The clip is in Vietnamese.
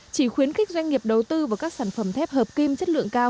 chỉ khuyến khích doanh nghiệp đầu tư vào các sản phẩm thép hợp kim chất lượng cao